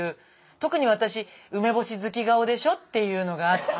特に私「梅干し好き顔でしょ」っていうのがあって。